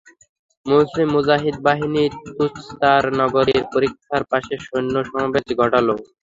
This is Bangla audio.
মুসলিম মুজাহিদ বাহিনী তুসতার নগরীর পরিখার পাশে সৈন্য সমাবেশ ঘটাল।